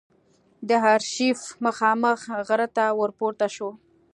د آرشیف مخامخ غره ته ور پورته شوو.